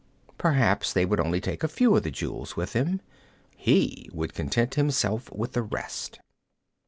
Perhaps they would take only a few of the jewels with them. He would content himself with the rest.